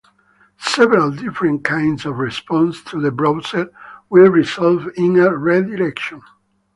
Several different kinds of response to the browser will result in a redirection.